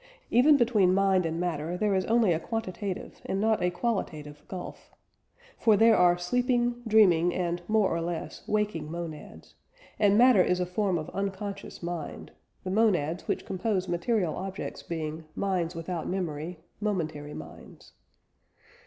Even between mind and matter there is only a quantitative and not a qualitative gulf. For there are sleeping, dreaming, and more or less waking monads; and matter is a form of unconscious mind; the monads which compose material objects being "minds without memory," "momentary minds."